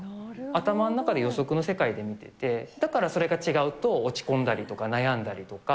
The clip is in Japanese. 頭の中で、予測の世界で見てて、だからそれが違うと、落ち込んだりとか、悩んだりとか。